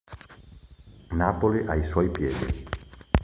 Napoli" ai suoi piedi.